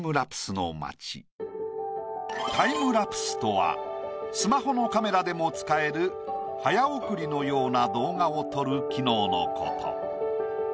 タイムラプスとはスマホのカメラでも使える早送りのような動画を撮る機能のこと。